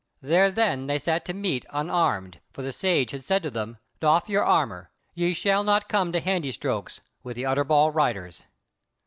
There then they sat to meat unarmed, for the Sage had said to them: "Doff your armour; ye shall not come to handystrokes with the Utterbol Riders."